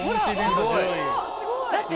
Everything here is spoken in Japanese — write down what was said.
すごい！